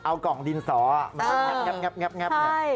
เอากล่องดินสองับนี่